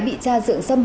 bị cha dựng xâm hại